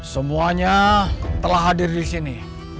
semuanya telah hadir disini